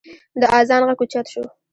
د اذان غږ اوچت شو.